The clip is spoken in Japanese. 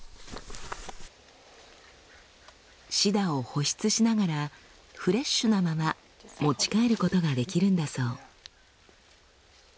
シダを保湿しながらフレッシュなまま持ち帰ることができるんだそう。